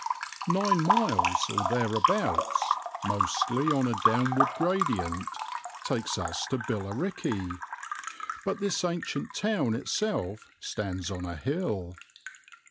Nine miles or thereabouts, mostly on a downward gradient, takes us to Billericay, but this ancient town itself stands on a hill.